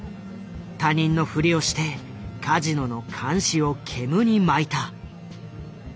他人のふりをしてカジノの監視をけむに巻いた。